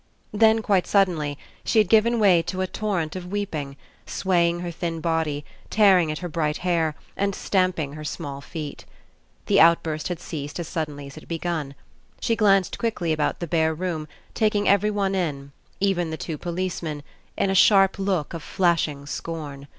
Then, quite sud denly, she had given way to a torrent of weep ing, swaying her thin body, tearing at her bright hair, and stamping her small feet. The outburst had ceased as suddenly as it had be gun. She glanced quickly about the bare room, taking everyone in, even the two policemen, in a sharp look of flashing scorn.